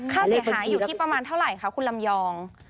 ค่าเสียหายอยู่ที่ประมาณเท่าไหร่คะคุณลำยอง